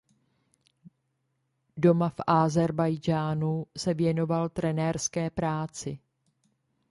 Doma v Ázerbájdžánu se věnoval trenérské práci.